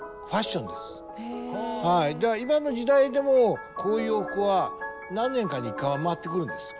もう今の時代でもこういう服は何年かに一回は回ってくるんですよ。